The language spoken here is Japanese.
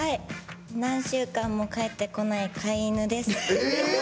何週間も帰ってこない飼い犬です。